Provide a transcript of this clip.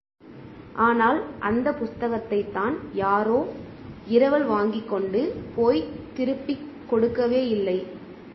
ஆனால், அந்தப் புஸ்தகத்தைத்தான் யாரோ இரவல் வாங்கிக்கொண்டு போய்த் திருப்பிக் கொடுக்கவேயில்லை.